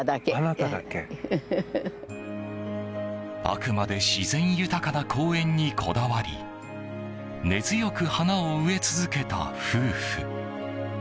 あくまで自然豊かな公園にこだわり根強く花を植え続けた夫婦。